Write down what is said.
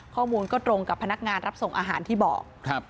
ข้อมูลก็ตรงกับพนักงานรับส่งอาหารที่บอกครับ